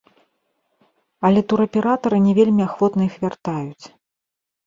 Але тураператары не вельмі ахвотна іх вяртаюць.